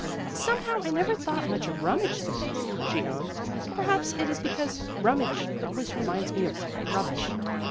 " Some how I never thought much of rummage sales," she owned. "Perhaps it is because rummage always reminds me of rubbish."